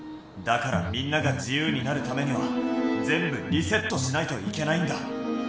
だからみんながじゆうになるためにはぜんぶリセットしないといけないんだ。